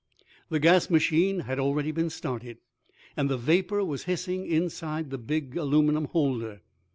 The gas machine had already been started, and the vapor was hissing inside the big aluminum holder.